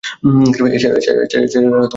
এ ছাড়া আর কী করে?